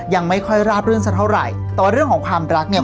ยังไม่ค่อยราบรื่นสักเท่าไหร่แต่ว่าเรื่องของความรักเนี่ย